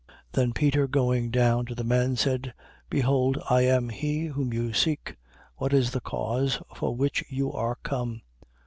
10:21. Then Peter, going down to the men, said: Behold, I am he whom you seek. What is the cause for which you are come?